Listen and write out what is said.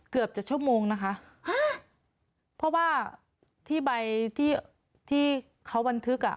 เกือบจะชั่วโมงนะคะฮะเพราะว่าที่ใบที่ที่เขาบันทึกอ่ะ